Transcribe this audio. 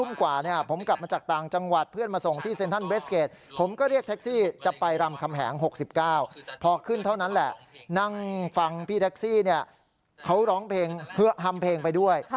นั่นแหละนั่งฟังพี่แท็กซี่เขาร้องเพลงเหลือหำเพลงไปด้วย